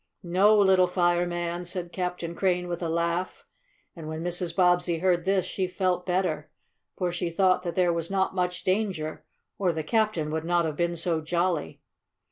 "No, little fireman!" said Captain Crane with a laugh, and when Mrs. Bobbsey heard this she felt better, for she thought that there was not much danger, or the captain would not have been so jolly.